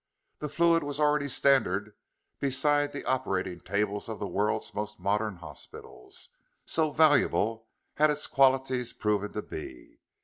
The fluid was already standard beside the operating tables of the world's most modern hospitals, so valuable had its qualities proven to be.